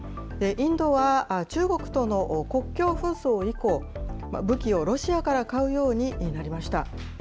インドは中国との国境紛争以降、武器をロシアから買うようになりました。